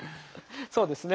そうですね。